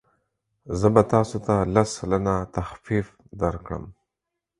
زه به تاسو ته لس سلنه تخفیف درکړم.